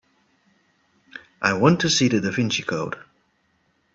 I want to see The Da Vinci Code